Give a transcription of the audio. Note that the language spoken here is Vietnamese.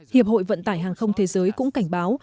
hiệp hội vận tải hàng không thế giới cũng cảnh báo